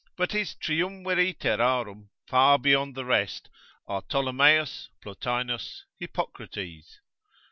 But his triumviri terrarum far beyond the rest, are Ptolomaeus, Plotinus, Hippocrates.